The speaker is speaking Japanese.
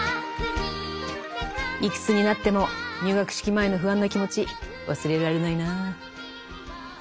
いくつになっても入学式前の不安な気持ち忘れられないなぁ。